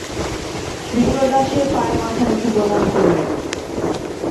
বিপ্রদাসের পায়ে মাথা রেখে প্রণাম করলে।